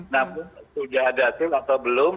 namun sudah ada hasil atau belum